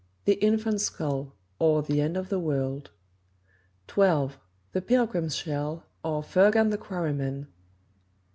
The Infant's Skull; or, The End of the World; 12. The Pilgrim's Shell; or, Fergan the Quarryman; 13.